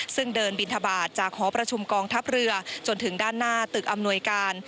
ซึ่งเดินบินทบาทจากหอประชุมกองทัพเรือจนถึงด้านหน้าตึกอำนวยการ